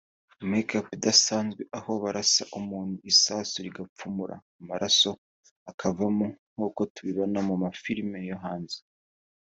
make up idasanzwe aho barasa umuntu isasu rigapfumura amaraso akavamo nk’uko tubibona mu mafilime yo hanze”